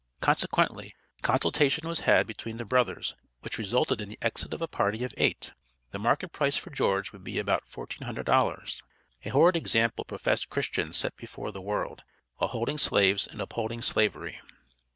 Consequently, a consultation was had between the brothers, which resulted in the exit of a party of eight. The market price for George would be about $1400. A horrid example professed Christians set before the world, while holding slaves and upholding Slavery.